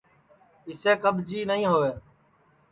اِسے کٻجی نائی ہؤے